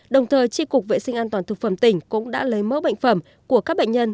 đồng thời tri cục vệ sinh an toàn thực phẩm tỉnh cũng đã lấy mẫu bệnh phẩm của các bệnh nhân